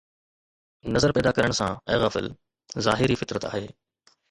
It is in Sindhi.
نظر پيدا ڪرڻ سان، اي غافل ظاهر ئي فطرت آهي